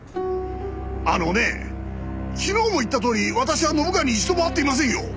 あのねえ昨日も言ったとおり私は信川に一度も会っていませんよ！